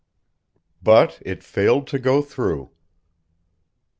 But it failed to go through.